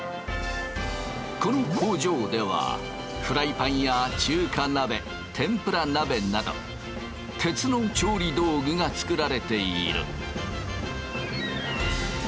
この工場ではフライパンや中華鍋天ぷら鍋など鉄の調理道具が作られている。